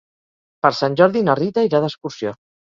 Per Sant Jordi na Rita irà d'excursió.